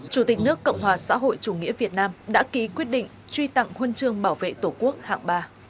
chủ tịch nước cộng hòa xã hội chủ nghĩa việt nam đã ký quyết định truy tặng huân chương bảo vệ tổ quốc hạng ba